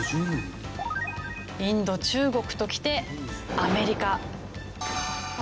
インド中国ときてアメリカ。